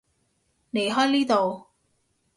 離開呢度